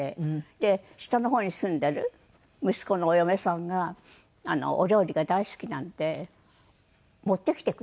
で下の方に住んでる息子のお嫁さんがお料理が大好きなんで持ってきてくれて。